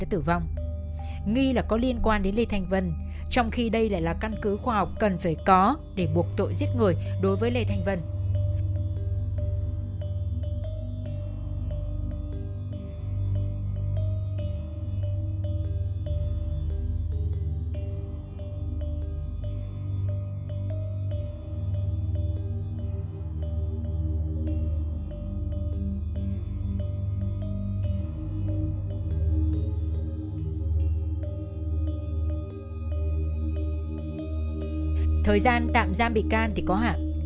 thời gian tạm giam bị can thì có hạn